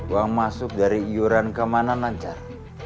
uang masuk dari iuran kemana lancar